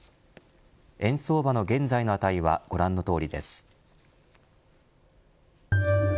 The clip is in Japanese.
円相場の現在の値はご覧のとおりです。